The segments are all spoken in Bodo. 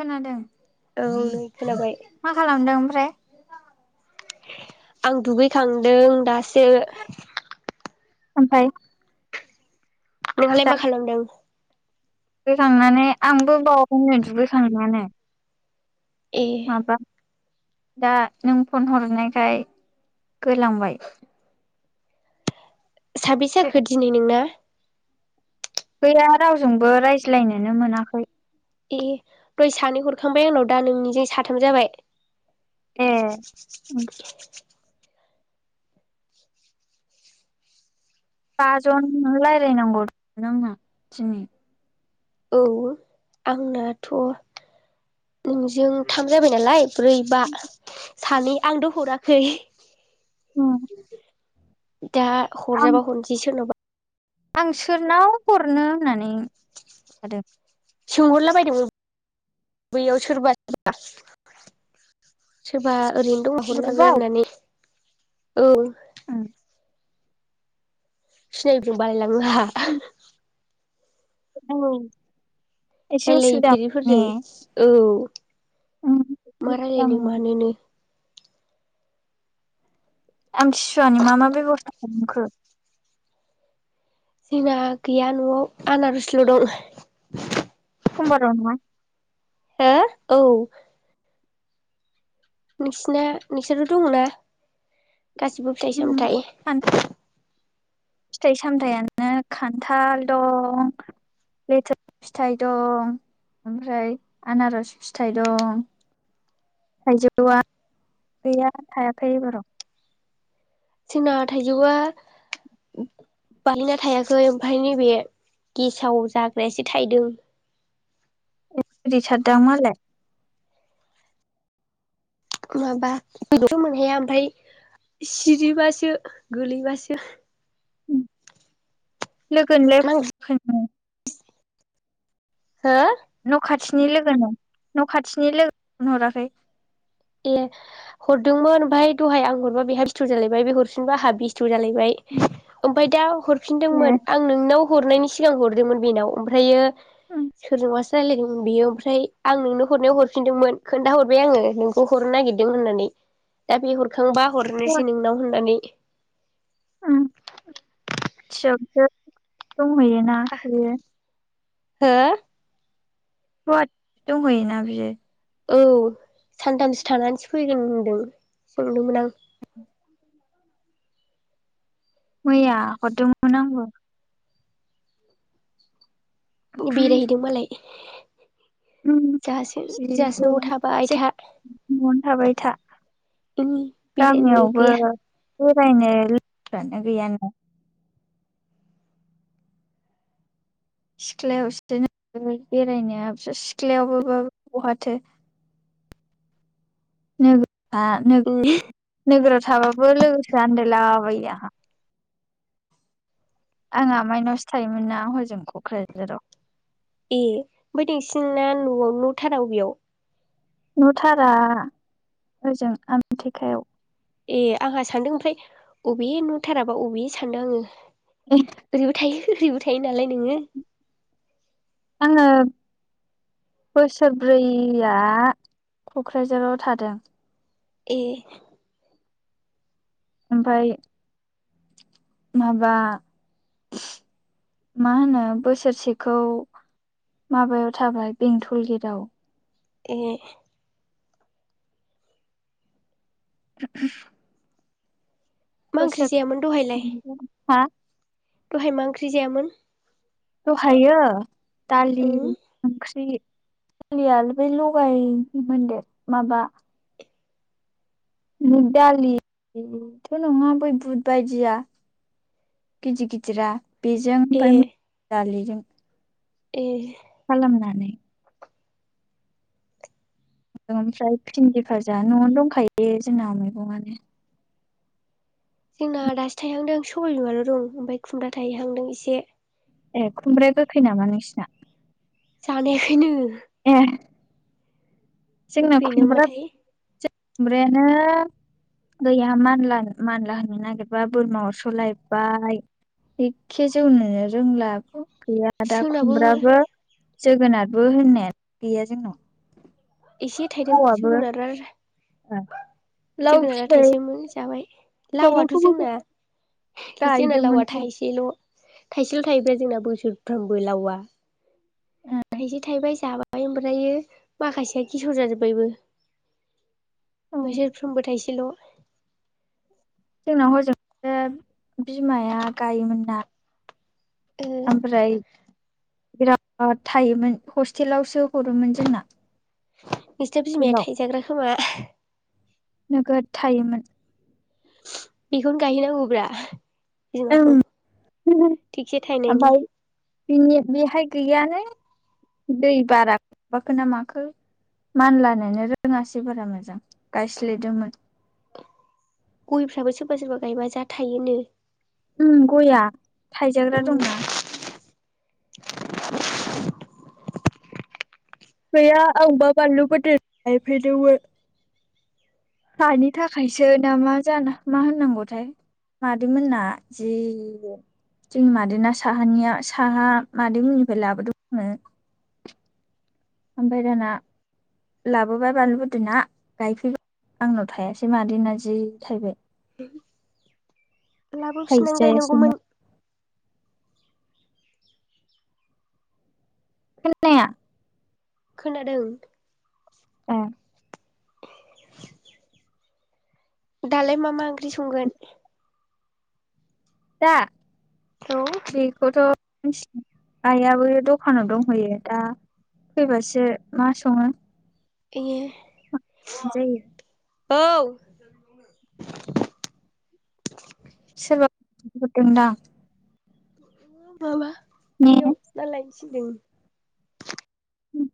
खोनादों औ नै खोनाबाय मा खालामदों ओमफ्राय आं दुगैखांदों दासो सो ओमफ्राय नोंहालाय मा खालामदों खांनानै आंबो बावखैनो दुगैखांनानै ए दा नों फन हरनायखाय गोलांबाय साबेसो जाखो दिनै नोंना गैया रावजोंबो रायज्लायनोनो मोनाखै ए दय सानै हरखांबाय आंनाव दा नोंनिजों साथाम जाबाय औ ए बाजन रायज्लायनांगौ नोंना दिनै औ आंनाथ' नोंजों थाम जाबाय नालाय ब्रै बा सानै आंथ हराखै औ दा हरजाबा हरनोसै सोरनावबा? आं सोरनाव हरनो होननानै थादों। सोंहरला बायदोंमोन बैयाव सोरबाबा सोरबा। ओरैनो दंबा हरनांगोन ग्रुपाव होननानै। औ उम सिनायैजोब बालायलांङो आंहा। औ एसे उसुबिदा ने रायलायफेरिफोरजों औ मा रायलायनो मानोनो आम थिं सुवानि मा मा बेब'स्था खालामखो? जोंना गैया न'आव आनारसल' दं। समबाराव नङा हो औ नोंसिना नोंसोरथ' दंना। गासिबो फिथथायाइ सान सामथायाइ? फिथाइ सामथायाइयानो खान्थाल दं लेथो फिथाइ दं ओमफ्राय आनारस फिथाइ दं थाइजौआ गैया थायाखै एबाराव। जोंना थाइजौआ बालिना थायाखै ओमफ्राय नैबे गेसाव जाग्रायासो थाइदों। गोदैथार दां मालाय? माबा फिथाइखौ मोन हाया ओमफ्राय सिरिबासो गोलैबासो। लोगोनोलाय नां [unintelligible] हा? न' खाथिनि लोगोनाव न' खाथिनि लोगोनो फन हराखै? ए हरदोंमोन ओमफ्राय दहाय आं हरबा बेहाय बेस्थ जालायबाय बे हरफिनबा आंहा बेस्थ जालायबाय ओमफफ्राय दा हर ए फिनदोंमोन आं नोंनाव हरनायनि सि सिगां हरदोंमोन बेनाव ओमफ्रायो सोरजोंबासो रायलायदोंमोन बेयो ओमफ्राय आं नोंनो हरनायाव हरफिनदोंमोन खोन्थाहरबाय आङो। हरनो नागिरदों होननानै दा बे हर दोंबा हरनोसै नोंनाव होननानै। गुवाहाटियावसो दंहैयोना बेयो। हो गहाद दं हैयोना बियो। औ सानथामसो थानानैसो फैगोन होनदों। सोंदोंमोन आं मैया हरदोंमोन आंबो। बेरायहैदों मालाय उम जोंहासो जोंहासो सिरियैनो न'आव थाबाय था न'आवनो थाबाय था। उम बेरायनो गामियावबो गैया बेरायनो लोगोयानो गोयानालाय। सिख्लायावसो बेरायनाया सिख्लायावबो बहाथो। नो हा उम नोगोराव थाबाबो लोगोफोरा आन्दायला बायो [unintelligible] आं आमाइनावसो थायोमोन ना हजों क'क्राझाराव। ए ओमफ्राय नोंसिना न' न'थारा अबेयाव? न'थारा ओजों आमथेखायाव। ए आंहा सान्दों ओमफ्राय अबे न'थाराबा अबे सानदों आङो। ओरैबो थायो [unintelligible] थायो नालाय नोङो। आङो बोसोरब्रैया क'क्राझाराव थादों। ए ओमफ्राय माबा मा होनो बोसोरसेखौ माबायाव थाबाय बेंथल गेटआव। ए [unintelligible] मा ओख्रि बोसोर जायामोन दहायलाय? हा दहाय मा ओंख्रि जायामोन? दहायो दालि उम ओंख्रि। गैयालै बेै लगाय मोनदेर माबा [unintelligible] बुध दालि बेथ' नंङा बै बुध बायदिया गिदिर गिदिरा। बेजों ए ओमफ्राय मूसुर दालिजों [inaudible] ए खालामनानै ओमफ्राय भिन्दि भाजा न'आवनो दंखायो जोंनना मैगंआनो। जोंना दासो थायहांदों सबायबिमाल' दं ओमफ्राय खुमब्रा थायहांदों एसे। ए खुमब्राया गोखै नामा नोंसिना? जानायाखैनो ए जोंना गोखै ना खुमब्रा माथाय ‌ खुमब्रायानो गैया मानला मानला होननो नागिरबा बोरमा अरस' लायबाय एखे जौनोनो रोंलाखौ गोया आदा जोंनाबो खुमब्राबो जोगोनारबो होननाय गैया जोंनाव एसे थाइदों लावाबो जोगोनारा लाव जोगोनारा फिथाइ थाइसोमोन जाबाय। लावआथ' माबाखौबो जोंना जोंना गायदोंमोन लावआ थाहैसैल'। थायसेल' थायोब्ला जोंना बोसोरफ्रामबो लावा। थाइसे थाइबाय जाबाय ओफ्राय ओमफ्र माखासे सेवजाजोब्बायबो। औ बोसोरफ्रोमबो थाइसेल' जोंनाव हजों बिमाया गायोमोनना ओमफ्राय बिराद थायोमोन हस्टेलावसो हरोमोन जोंना नोंसिना बिमाया स्कुलाव थाइजाग्रा खोमा नोगोद थायोमोन। बेखौनो गायहैनांगांगौब्रा। ओं थाइनायनि ओमफ्राय बिनि बेहाय गैयानो दै बारा माबाखो ना माखो मानलानो रोङासै बारा मोजां गायस्लेदोंमोन। गयफ्राबो सोरबा सोरबा गायबा जा थाइयोनो गया थाइजाग्रा दंना गैया आंबा बानलु बोरदोन गायफैदोंमोन। हानि थाखायसो ना मा जाखो मा होननांगौथाय मादैमोनना जि जोंनि मादै साहानिया साहा मादैमोननिफ्राय लाबोदोंमोन आं ओमफ्राय दाना लाबोबाय बानलु बोरदोना गायफैबाय आंनाव थाङासै मादै ना जि थाइबाय। उम लाबोफिनानै थाइजायासैनो गायनांगौमोन। खोनाया। खोनादों। औ। दालाय मा मा ओंख्रि संगोन? दा औ बेखौथ' मिथिआ आइयाबो दखानाव दंहैयो दा फैबासो मा संङो ए औ सोरबा फैदों दां बाबा [unintelligible] सिलिं उम।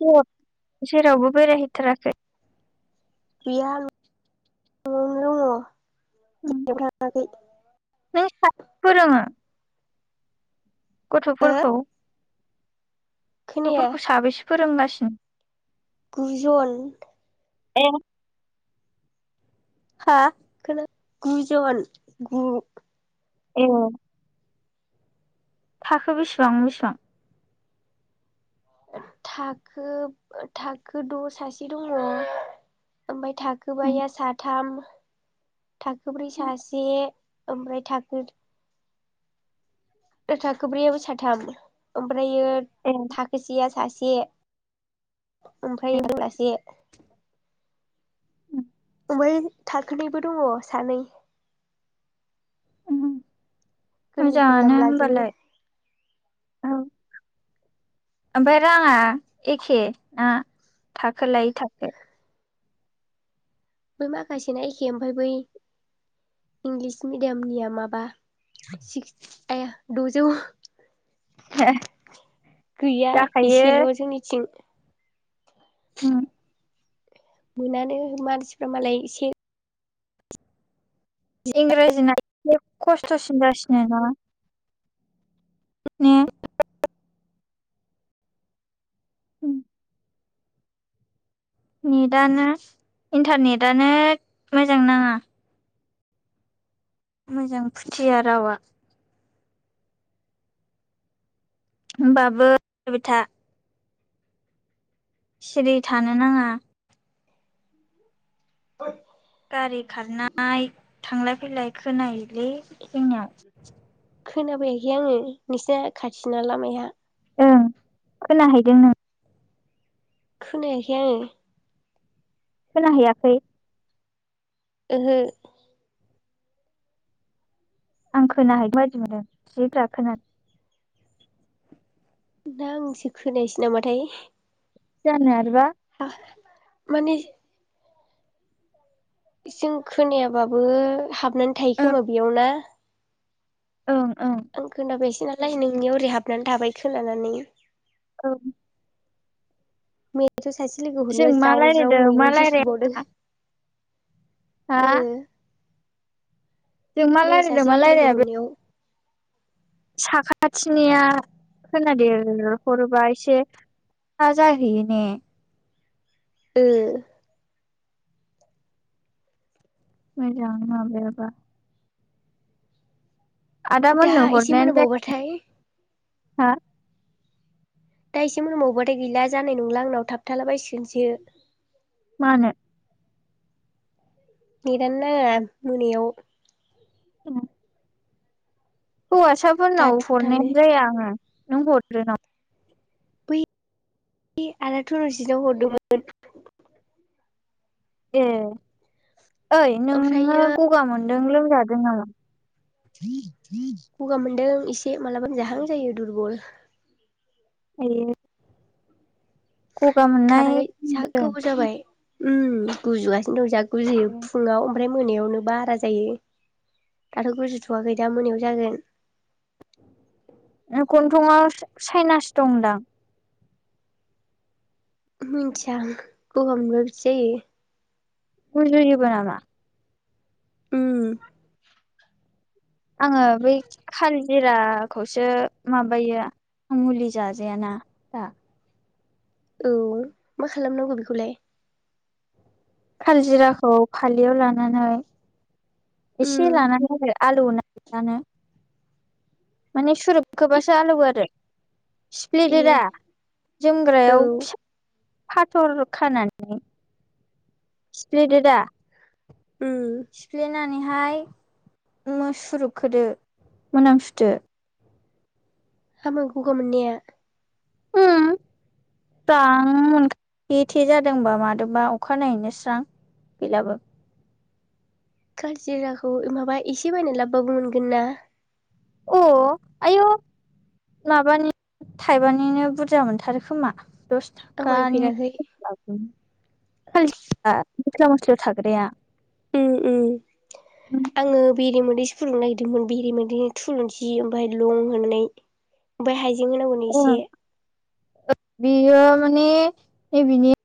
फुंआव जेरावबो बेरायहैथाराखै? गैया न'आवनो दङ'। [unintelligible] नों साबेसे फोरोङो? ओ गथ'फोरखौ खोनाया गथ'फोरखौ साबेसे फोरोंगासिनो? गु जन ए हा खोना गु जन गु ए थाखो बेसेबां बेसेबां थाखो थाखो द सासे दङ ओमफ्राय थाखोबाया साथाम थाखोब्रै सासे ओमफ्राय थाखो थाखो ब्रैआव साथाम ओमफ्रायो ए थाखोसेया सा से ए ओमफाय [unintelligible] ओमफाय थाखोनैबो दङ सानै गोरलै गोरलाम मोजांआनो लाजोबो होमबालाय औ। ओमफ्राय राङा एखे ना था खो खोलाय थाखो बै माखासेना एखे ओमफ्राय बै इंलिस मिडियामनिया माबा सिकस आइया दजौ गैया जाखायो एसेल' जोंनिथिं उम मोनानो मानसिफ्रा मालाय एसे इंराजि ना बे खस्थ'सिन जासिनो ना ने उम नेटानो इन्टारनेटानो मोजां नाङा मोजां फुथिया रावा होनोमबाबो रायलायबायथा सिरि थानो नाङा गारि खारनाय थांलाय फैलाय खोनायोलै जोंनियाव खोना फैयाखै आङो नोंसिना खाथिना लामाया ओं खोनाहैदों नों खोनायाखै आङो खोना हैैयाखै ओंहो आं खोनाहैदों बायदि मोनदों जि [unintelligible] ना आंसो खोनायासै नामाथाय जानो आरोबा हा मानि जों खोनायाबाबो हाब ना ओं थायोखोमा बेयाव ना। ओं ओं आं खोना फैयासै नाल दा नोंनियाव ओरै हाबनानै थाबाय खोनानानै। ओं ने बेथ' सासे लोगो जों हरनायाव मा ज्राव ज्राव रायलायदों मा मैगंसो सुबावदों। रायलाया हा। ओ जों मा मैया रायलायदों सासे मा लोगो रायलायाबो। हरनायाव साखाथिनिया खोनादेरहरोबा एसे स्रा जाहैयो ने। ओ मोजां माबायाबा। आदा दा मोननो एसे हरनायानो जा मोनाबावबाथाय हा। दासो मोनबावबाथाय गैला जानाय नंला आंनाव थाबथाला बसिगोनसो। मानो? नेट आनो नंङा मोनायाव। उम दा हौवासाफोरनाव थुबथानो हरनायानो जाया आङो। आंबो हदब्रेनाव। बे आदा थुरजिटनाव हरदोंमोन। ए ओइ नोङो ओमफ्रायो गगा मोन नों लोमजादों नामा? गगामोनदों। इसे मालाबा लोमजाहां जायो दुरबल आयै गगा मोननाय खाराखै जा खोनादों। गोबाव जाबाय उम गुजुगासिनो जाग गुजुयो फुंङाव। ओमफ्राय मोनायावनो बारा जायो दाथ' गुजुथ'वाखै दा मोनायाव जागोन। गन्थंआव साइनास दं दां। मिथिया गगामोनबा बिदि जायो। गुजुयोबो नामा? उम आङो बै खाल जिराखौसो माबायो मुलि जाजायाना दा। औ मा खालामनांगौ बेखौलाय? काल जिराखौ फालियाव लानानै उम एसे लानानै आलैयोना। [unintelligible] नो माने सु सुरोपखोबासो आलौ आरो ए सिफ्लेदोरा औ जोमग्रायाव फिसा फाथर खानानै सिफ्लेदो दा उम सिफ्लेना नैहाय उम सुरुपखोदो मोनामसुदो हामो गगा मोननया उम स्रां मोनखायो थे थे जादोंबा मादोंबा अखानायनायैनो स्रां गैलाबो कालजिराखौ माबा एसे बायनानै लाबोबाबो मोनगोन ना अ आयु माबानि थाइबानिनो बुरजा मोनथारोखोमा दस आं थाखानि बायफेराखै [unintelligible] मस्ला मस्ला थाग्राराया ओम ओम आङो बेरे मोदैसो फुदुंनो नागिरदोंमोन। बेरे मोनोदै थुलुंसि ओमफ्राय लं होनाय ओमफ्राय हाइ‌ जें होनांगौनो एसे [inaudible] बियो माने बिनि